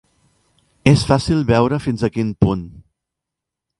És fàcil veure fins a quin punt.